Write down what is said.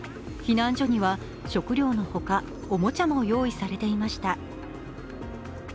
避難所には食料の他、おもちゃも用意されていました。